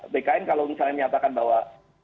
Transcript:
bkn kalau misalnya menyatakan bahwa